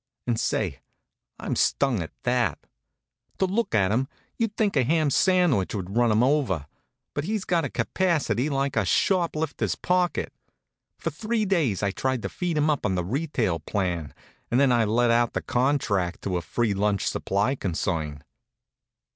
And say, I'm stung, at that. To look at him you'd think a ham sandwich would run him over; but he's got a capacity like a shop lifter's pocket. For three days I tried to feed him up on the retail plan, and then I let out the contract to a free lunch supply concern.